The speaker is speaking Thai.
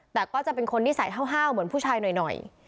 แต่ก็จะเป็นคนนิสัยห้าวเหมือนผู้ชายหน่อย